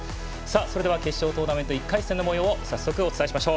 それでは決勝トーナメント１回戦のもようを早速お伝えします。